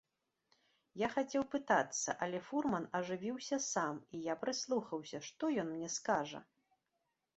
Я хацеў пытацца, але фурман ажывіўся сам, і я прыслухаўся, што ён мне скажа?